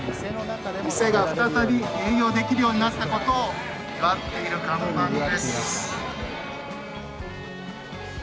店が再び営業できるようになったことを祝っている看板です。